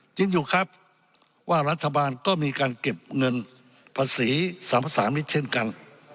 จริงอยู่ครับว่ารัฐบาลก็มีการเก็บเงินภาษีสัมภาษามิตรเช่นกัน